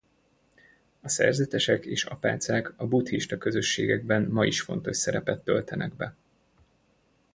A szerzetesek és apácák a buddhista közösségekben ma is fontos szerepet töltenek be.